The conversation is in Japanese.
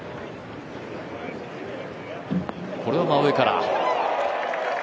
これは真上から。